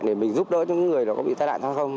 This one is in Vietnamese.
để mình giúp đỡ những người có bị tai nạn thông không